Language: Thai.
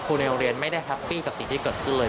ในโรงเรียนไม่ได้แฮปปี้กับสิ่งที่เกิดขึ้นเลย